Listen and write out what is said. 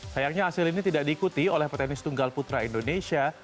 sayangnya hasil ini tidak diikuti oleh petenis tunggal putra indonesia